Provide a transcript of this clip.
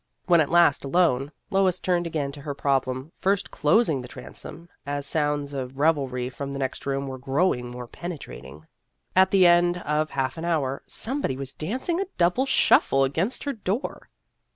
When at last alone, Lois turned again to her problem, first closing the transom, as sounds of rev elry from the next room were growing more penetrating. At the end of half an hour, somebody was dancing a double shuffle against her door.